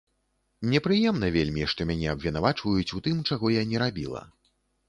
Непрыемна вельмі, што мяне абвінавачваюць у тым, чаго я не рабіла.